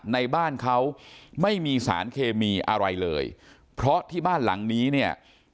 ในบ้านเขาไม่มีสารเคมีอะไรเลยเพราะที่บ้านหลังนี้เนี่ย